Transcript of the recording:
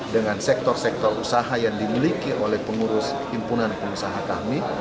dengan sektor sektor usaha yang dimiliki oleh pengurus himpunan pengusaha kami